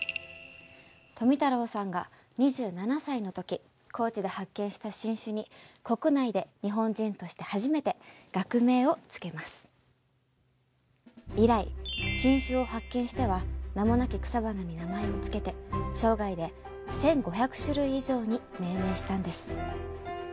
富太郎さんが２７歳の時高知で発見した新種に以来新種を発見しては名もなき草花に名前を付けて生涯で１，５００種類以上に命名したんです。